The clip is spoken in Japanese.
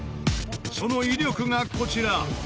その威力がこちら。